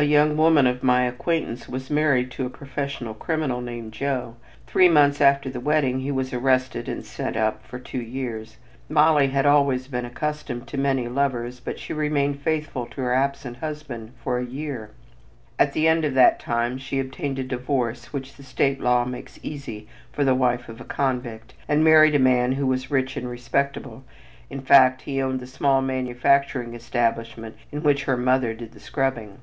A young woman of my acquaintance was married to a professional criminal named Joe. Three months after the wedding he was arrested and "sent up" for two years. Molly had always been accustomed to many lovers, but she remained faithful to her absent husband for a year. At the end of that time she obtained a divorce which the state law makes easy for the wife of a convict, and married a man who was "rich and respectable" in fact, he owned the small manufacturing establishment in which her mother did the scrubbing.